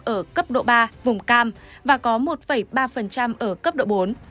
hai hai ở cấp độ ba vùng cam và có một ba ở cấp độ bốn